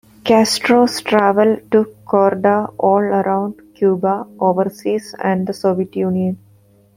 Castro's travels took Korda all around Cuba, overseas, and the Soviet Union.